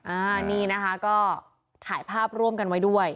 อันนี้นะคะก็ถ่ายภาพร่วมกันไว้ด้วย